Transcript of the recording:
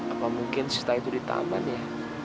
apa mungkin setelah itu di taman ya